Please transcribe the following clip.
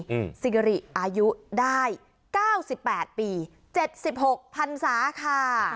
อืมสิเกอริอายุได้๙๘ปี๗๖พันศาค่ะ